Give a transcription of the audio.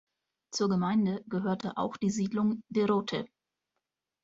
Zur Gemeinde gehörte auch die Siedlung De Rotte.